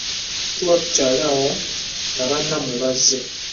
Tuba tuli awo nga bannammwe bazze.